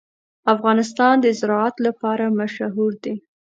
افغانستان د زراعت لپاره مشهور دی.